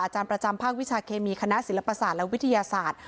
อาจารย์ประจำภาควิชาเคมีคณะศิลปศาสตร์และวิทยาศาสตร์